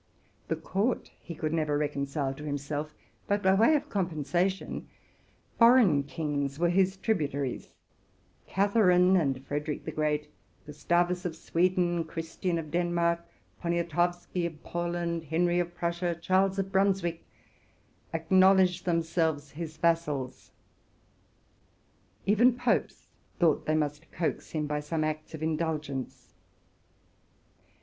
The court he could never recon cile to himself; but, by way of compensation, foreign kings were his tributaries; Catharine, and Frederick the Great, Gustavus of Sweden, Christian of Denmark, Peniotowsky of Poland, Henry of Prussia, Charles of Brunswick, acknowl edged themselves his vassals ; even popes thought they must coax him by some acts of indulgence.